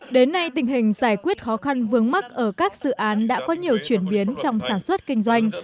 đến nay tình hình giải quyết khó khăn vướng mắt ở các dự án đã có nhiều chuyển biến trong sản xuất kinh doanh